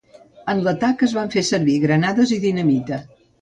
En l'atac es van fer servir granades i dinamita.